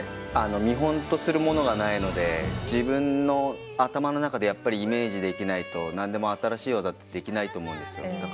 見本とするものがないので自分の頭の中でイメージできないと何でも新しい技ってできないと思うんですよね。